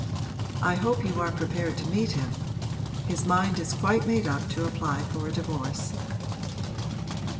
'I hope you are prepared to meet him. His mind is quite made up to apply for a divorce.'